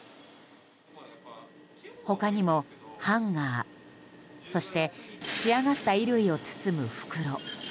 他にもハンガーそして仕上がった衣類を包む袋。